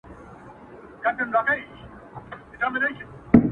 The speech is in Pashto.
هره شېبه ولګېږي زر شمعي!.